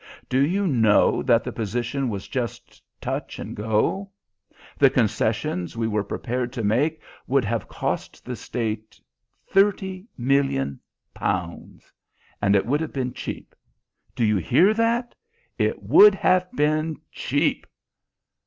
Do you know that the position was just touch and go? The concessions we were prepared to make would have cost the State thirty million pounds, and it would have been cheap. Do you hear that? It would have been cheap!